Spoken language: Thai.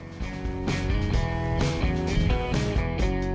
ไปดูกันเลยครับ